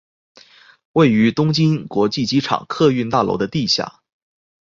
位于东京国际机场客运大楼的地下。